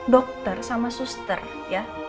dokter sama suster ya